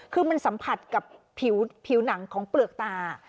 คือมันสัมผัสกับผิวหนังของเปลือกตา